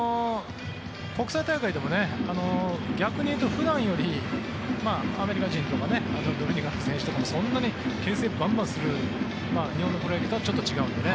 国際大会でも逆に言うと普段よりアメリカ人とかドミニカの選手とかもそんなにけん制バンバンする日本のプロ野球とはちょっと違うので